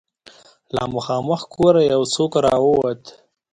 له مخامخ کوره يو څوک را ووت.